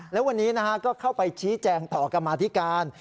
แล้ววันนี้ก็เข้าไปชี้แจงต่อกรรมาธิการ